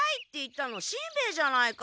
たのしんべヱじゃないか。